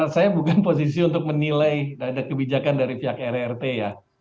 saya bukan posisi untuk menilai dada kebijakan dari pihak rrt ya